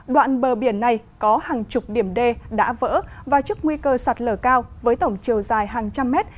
đoạn bờ biển này có hàng chục điểm đê đã vỡ và trước nguy cơ sạt lở cao với tổng chiều dài hàng trăm mét